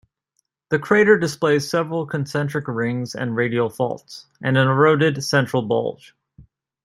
The crater displays several concentric rings and radial faults, and an eroded central bulge.